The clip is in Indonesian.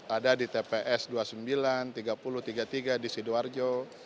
ada di tps dua puluh sembilan tiga puluh tiga puluh tiga di sidoarjo